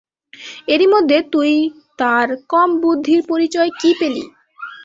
এরই মধ্যে তুই তার কম বুদ্ধির পরিচয় কী পেলি।